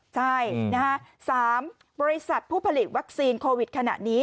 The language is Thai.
ใช่๓บริษัทผู้ผลิตวัคซีนโควิดขณะนี้